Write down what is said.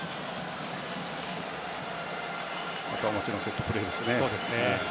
あとはもちろんセットプレーですね。